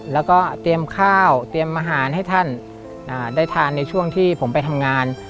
แล้วก็เตรียมข้าวเตรียมอาหารให้ท่านได้ทานในช่วงที่ผมไปทำงาน